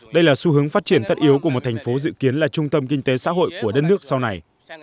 đây là xu hướng phát triển tất yếu của một thành phố dự kiến là trung tâm kinh tế xã hội của đất nước sau này